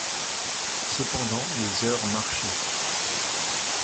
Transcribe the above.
Cependant les heures marchaient.